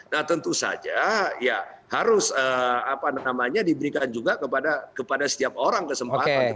nah tentu saja ya harus diberikan juga kepada setiap orang kesempatan